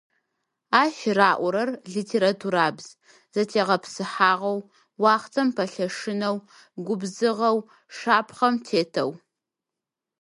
Ащ раӏорэр - литературабз: зэтегъэпсыхьагъэу, уахътэм пэлъэшынэу, губзыгъэу, шапхъэм тетэу.